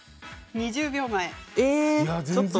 １０秒前。